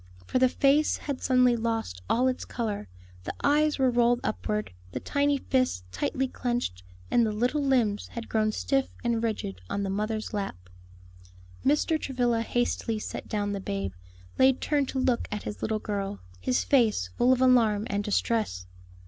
For the face had suddenly lost all its color; the eyes were rolled upward, the tiny fists tightly clenched, and the little limbs had grown stiff and rigid on the mother's lap. Mr. Travilla hastily set down the babe, laid turned to look at his little girl, his face full of alarm and distress.